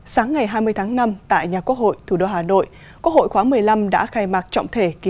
sáng ngày hai mươi tháng năm tại nhà quốc hội thủ đô hà nội quốc hội khóa một mươi năm đã khai mạc trọng thể kỳ